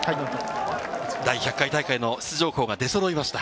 第１００回大会の出場校が出そろいました。